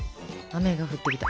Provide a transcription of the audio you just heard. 雨が降ってきた。